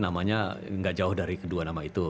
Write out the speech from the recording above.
namanya nggak jauh dari kedua nama itu